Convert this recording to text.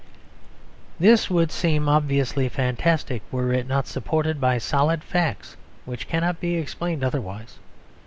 This would seem obviously fantastic were it not supported by solid facts which cannot be explained otherwise.